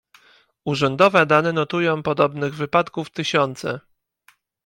"Urzędowe dane notują podobnych wypadków tysiące..."